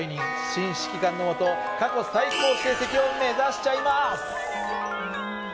新指揮官のもと過去最高成績を目指しちゃいます。